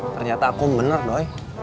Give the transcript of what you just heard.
ternyata akum bener doi